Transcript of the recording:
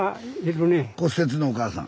骨折のおかあさん。